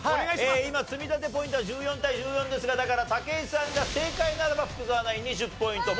今積み立てポイントは１４対１４ですがだから武井さんが正解ならば福澤ナインに１０ポイント